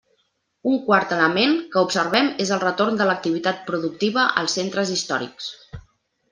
Un quart element que observem és el retorn de l'activitat productiva als centres històrics.